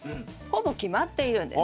ほぼ決まっているんです。